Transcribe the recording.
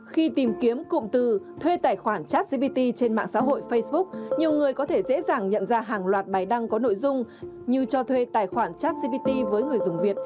khi tìm kiếm cụm từ thuê tài khoản chat gpt trên mạng xã hội facebook nhiều người có thể dễ dàng nhận ra hàng loạt bài đăng có nội dung như cho thuê tài khoản chat gpt với người dùng việt